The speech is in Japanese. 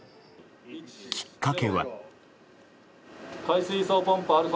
きっかけは。